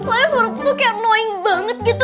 ternyata suara aku tuh kayak annoying banget gitu